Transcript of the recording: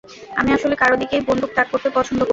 আমি আসলে কারো দিকেই বন্দুক তাক করতে পছন্দ করি না।